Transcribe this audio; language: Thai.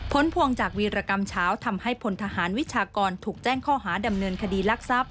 พวงจากวีรกรรมเช้าทำให้พลทหารวิชากรถูกแจ้งข้อหาดำเนินคดีลักทรัพย